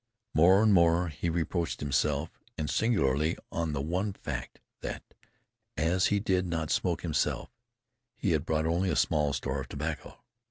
More and more he reproached himself, and singularly on the one fact that, as he did not smoke himself, he had brought only a small store of tobacco.